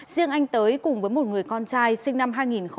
riêng anh tới cùng với một người con trai sinh năm hai nghìn một mươi